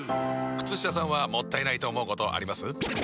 靴下さんはもったいないと思うことあります？